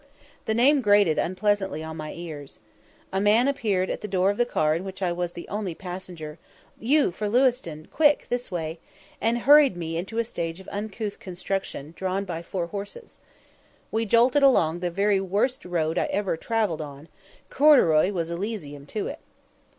The name grated unpleasantly upon my ears. A man appeared at the door of the car in which I was the only passenger "You for Lewiston, quick, this way!" and hurried me into a stage of uncouth construction, drawn by four horses. We jolted along the very worst road I ever travelled on corduroy was Elysium to it.